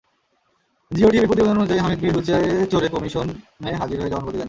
জিয়ো টিভির প্রতিবেদন অনুযায়ী, হামিদ মির হুইলচেয়ারে চড়ে কমিশনে হাজির হয়ে জবানবন্দি দেন।